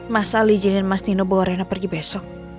masa lu izinin mas nino bawa rena pergi besok